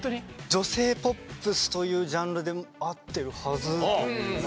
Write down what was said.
女性ポップスというジャンルで合ってるはずだと思います。